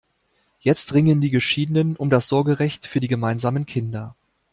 Jetzt ringen die Geschiedenen um das Sorgerecht für die gemeinsamen Kinder.